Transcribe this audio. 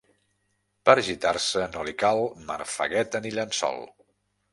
Per gitar-se no li cal marfegueta ni llençol.